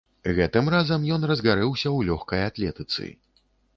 Гэтым разам ён разгарэўся ў лёгкай атлетыцы.